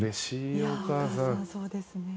お母さんそうですね。